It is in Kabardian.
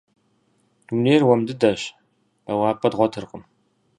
Дунейр уэм дыдэщ, бэуапӏэ дгъуэтыркъым.